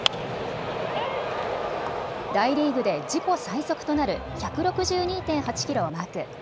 大リーグで自己最速となる１６２．８キロをマーク。